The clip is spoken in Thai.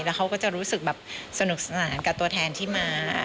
แล้วเขาก็จะรู้สึกแบบสนุกสนานกับตัวแทนที่มา